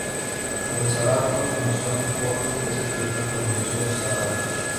El "Sarawak Museum Journal" es el periódico del Museo Sarawak.